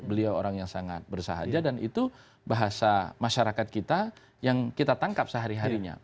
beliau orang yang sangat bersahaja dan itu bahasa masyarakat kita yang kita tangkap sehari harinya